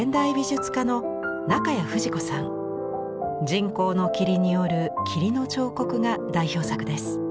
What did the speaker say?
人工の霧による「霧の彫刻」が代表作です。